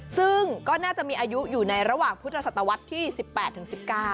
ซึ่งก็น่าจะมีอายุอยู่ในระหว่างพุทธศตวรรษที่๑๘ถึง๑๙